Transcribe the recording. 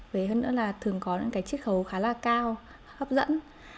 với hơn nữa là thường có những cái chiếc khấu khá là cao hấp dẫn